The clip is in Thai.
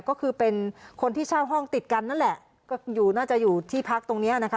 ก็คือเป็นคนที่เช่าห้องติดกันนั่นแหละก็อยู่น่าจะอยู่ที่พักตรงเนี้ยนะคะ